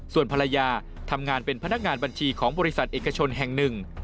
ส่วนภรรยาทำงานเป็นพนักงานบัญชีของบริษัทเอกชนแห่งหนึ่ง